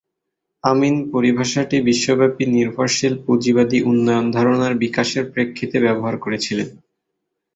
আমিন পরিভাষাটি বিশ্বব্যাপী নির্ভরশীল পুঁজিবাদী উন্নয়ন ধারণার বিকাশের প্রেক্ষিতে ব্যবহার করেছিলেন।